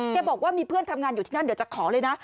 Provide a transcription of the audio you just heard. แกบอกว่ามีเพื่อนทำงานอยู่ที่นั่นเดี๋ยวจะขอเลยนะ